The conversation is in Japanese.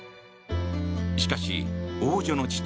しかし王女の父